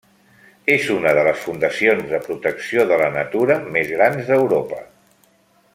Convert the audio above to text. És una de les fundacions de protecció de la natura més grans d'Europa.